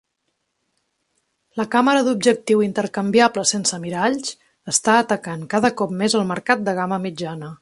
La càmera d'objectiu intercanviable sense miralls està atacant cada cop més el mercat de gama mitjana.